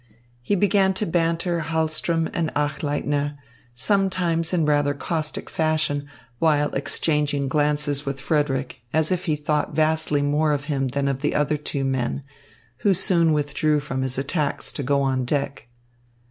He began to banter Hahlström and Achleitner, sometimes in rather caustic fashion, while exchanging glances with Frederick, as if he thought vastly more of him than of the other two men, who soon withdrew from his attacks to go on deck.